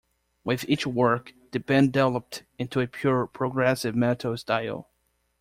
With each work, the band developed into a pure progressive metal style.